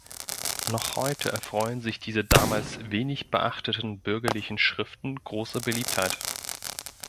Noch heute erfreuen sich diese damals wenig beachteten bürgerlichen Schriften großer Beliebtheit.